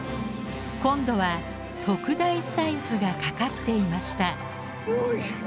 今度は特大サイズがかかっていました。